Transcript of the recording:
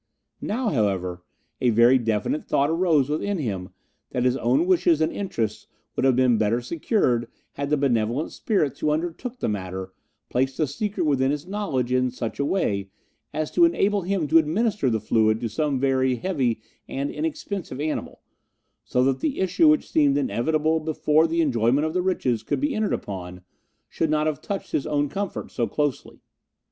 Now, however, a very definite thought arose within him that his own wishes and interests would have been better secured had the benevolent spirits who undertook the matter placed the secret within his knowledge in such a way as to enable him to administer the fluid to some very heavy and inexpensive animal, so that the issue which seemed inevitable before the enjoyment of the riches could be entered upon should not have touched his own comfort so closely.